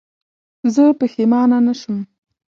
زه پښېمانه نه شوم.